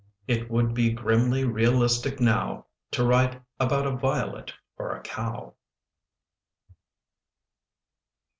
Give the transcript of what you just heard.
It would be grimly realistic now To write about a violet or a cow.